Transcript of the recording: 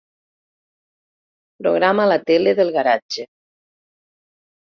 Programa la tele del garatge.